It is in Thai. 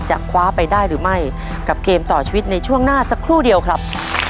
จะคว้าไปได้หรือไม่กับเกมต่อชีวิตในช่วงหน้าสักครู่เดียวครับ